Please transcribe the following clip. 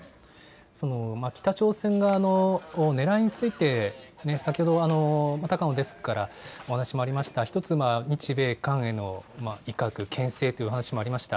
北朝鮮側のねらいについて先ほど、高野デスクからお話もあったように１つ、日米韓への威嚇、けん制というお話しもありました。